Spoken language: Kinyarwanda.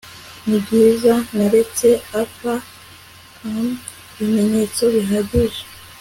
Nibyiza neretse Arthur Amy ibimenyetso bihagije